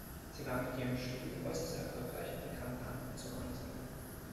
Sie war mit ihrem Studio äußerst erfolgreich und kam damit zu Ansehen.